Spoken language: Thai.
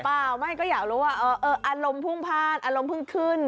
เปล่าไม่ก็อยากรู้ว่าอารมณ์พุ่งพลาดอารมณ์เพิ่งขึ้น